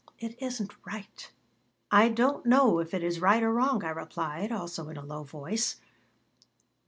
"It isn't right." "I don't know if it is right or wrong," I replied, also in a low voice.